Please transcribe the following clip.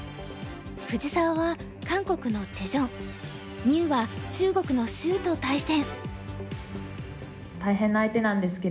藤沢は韓国のチェ・ジョン牛は中国の周と対戦。